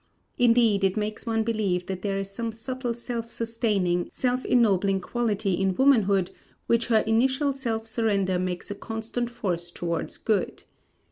Indeed it makes one believe that there is some subtle self sustaining, self ennobling quality in womanhood which her initial self surrender makes a constant force towards good.